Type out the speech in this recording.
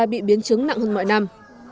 bị biến chứng nặng hơn mọi năm